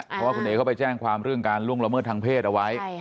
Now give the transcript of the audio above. เพราะว่าคุณเอ๋เข้าไปแจ้งความเรื่องการล่วงละเมิดทางเพศเอาไว้